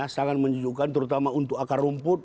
sangat menyejukkan terutama untuk akar rumput